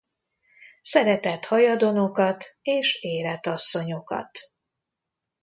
Szeretett hajadonokat és érett asszonyokat.